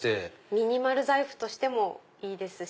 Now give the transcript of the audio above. ミニ財布としてもいいですし。